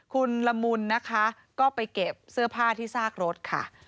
คุณละมุนนะคะก็ไปเก็บเสื้อผ้าที่ซากรถค่ะ